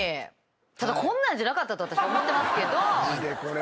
ただこんなんじゃなかったと私思ってますけど。